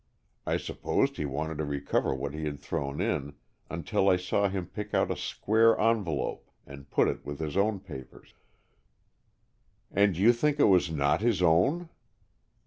I supposed he wanted to recover what he had thrown in, until I saw him pick out a square envelope and put it with his own papers." "And you think it was not his own?"